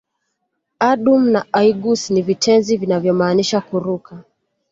Adumu na aigus ni vitenzi vinavyomaanisha kuruka